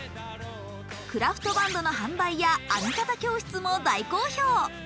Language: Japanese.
クラフトバンドの販売や編み方教室も大人気。